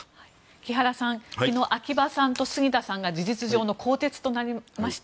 木原さん、昨日秋葉さんと杉田さんが事実上の更迭となりました。